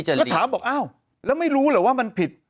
ก็ถามบอกอ้าวแล้วไม่รู้เหรอว่ามันผิด